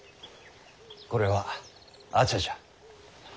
これは阿茶じゃ。